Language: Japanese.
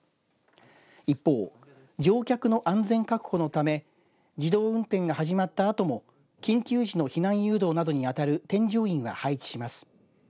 一方、乗客の安全確保のため自動運転が始まったあとも緊急時の避難誘導などに当たる添乗員を配置します。